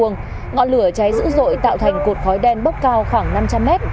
ngọn lửa cháy dữ dội tạo thành cột khói đen bốc cao khoảng năm trăm linh mét